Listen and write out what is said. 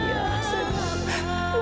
aku terlalu berharga